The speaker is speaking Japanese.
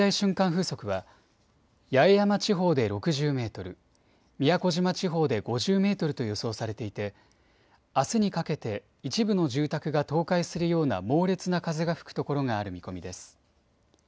風速は八重山地方で６０メートル、宮古島地方で５０メートルと予想されていてあすにかけて一部の住宅が倒壊するような猛烈な風が吹くところがある見込みです。